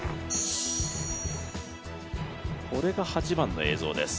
これが８番の映像です。